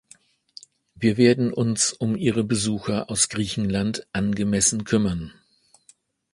Wir werden uns um Ihre Besucher aus Griechenland angemessen kümmern.